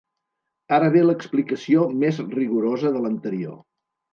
Ara ve l'explicació més rigorosa de l'anterior.